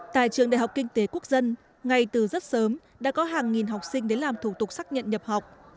tại trường đại học kinh tế quốc dân ngay từ rất sớm đã có hàng nghìn học sinh đến làm thủ tục xác nhận nhập học